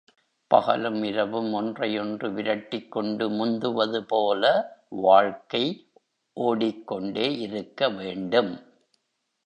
பகலும் இரவும் ஒன்றையொன்று விரட்டிக்கொண்டு முந்துவது போல வாழ்க்கை ஒடிக் கொண்டே இருக்கவேண்டும்.